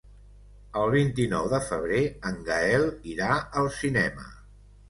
El vint-i-nou de febrer en Gaël irà al cinema.